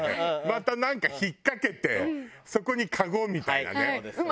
またなんか引っかけてそこにかごみたいなね。